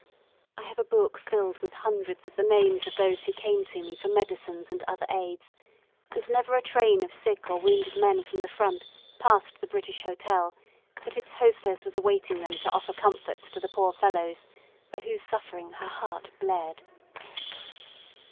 I have a book filled with hundreds of the names of those who came to me for medicines and other aids; and never a train of sick or wounded men from the front passed the British Hotel but its hostess was awaiting them to offer comforts to the poor fellows, for whose suffering her heart bled.